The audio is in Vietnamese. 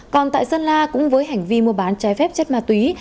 còn tại sơn la cũng với hành vi mua bán trái phép chất ma túy